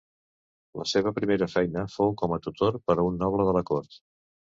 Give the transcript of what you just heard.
La seva primera feina fou com a tutor per a un noble de la cort.